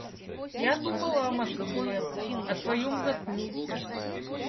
Я думала о Москве, о твоем затылке.